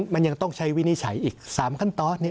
มันยังต้องใช้วินิจฉัยอีก๓ขั้นตอนนี้